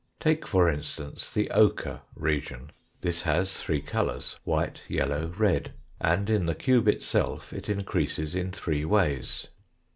Take, for instance, the ochre region; this has three colours, white, yellow, red ; and in the cube itself it increases in three ways.